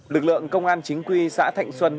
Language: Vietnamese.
lực lượng công an chính quy xã thành xuân